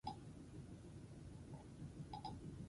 Harriak ez du begirik.